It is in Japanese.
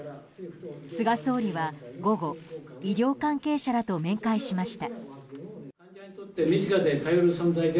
菅総理は午後医療関係者らと面会しました。